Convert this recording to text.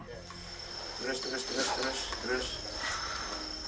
terus terus terus terus